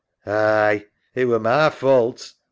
Aye. It were ma fault.